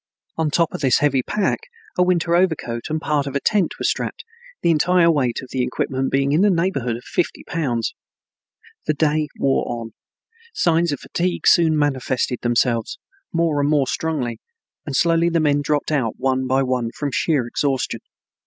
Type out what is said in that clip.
On top of this heavy pack a winter overcoat and part of a tent were strapped, the entire weight of the equipment being in the neighborhood of fifty pounds. The day wore on. Signs of fatigue soon manifested themselves more and more strongly, and slowly the men dropped out one by one, from sheer exhaustion.